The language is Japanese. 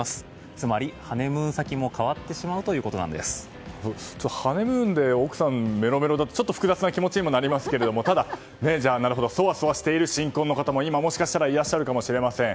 つまり、ハネムーン先もハネムーンで奥さんがメロメロだとちょっと複雑な気持ちになりますけどただそわそわしている新婚の方も今もしかしたらいらっしゃるかもしれません。